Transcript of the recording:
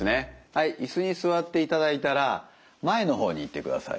はい椅子に座っていただいたら前の方にいってください。